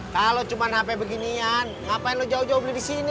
kalau cuma hp beginian ngapain lo jauh jauh beli di sini